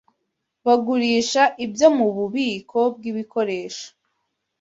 Bagurisha ibyo mububiko bwibikoresho.